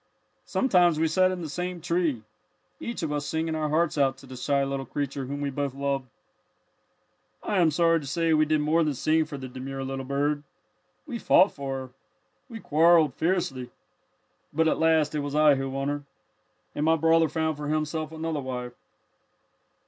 "Sometimes we sat in the same tree, each of us singing our hearts out to the shy little creature whom we both loved. "I am sorry to say we did more than sing for the demure little bird. We fought for her. We quarrelled fiercely. But at last it was I who won her, and my brother found for himself another wife."